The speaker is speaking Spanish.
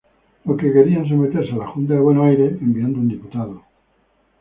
Los que querían someterse a la junta de Buenos Aires enviando un diputado.